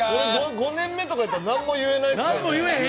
５年目とかやったら何も言えへん。